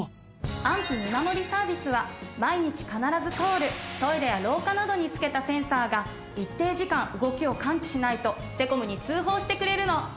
安否みまもりサービスは毎日必ず通るトイレや廊下などにつけたセンサーが一定時間動きを感知しないとセコムに通報してくれるの。